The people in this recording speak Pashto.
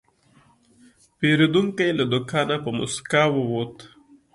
پیرودونکی له دوکانه په موسکا ووت.